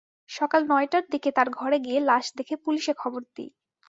সকাল নয়টার দিকে তাঁর ঘরে গিয়ে লাশ দেখে পুলিশে খবর দিই।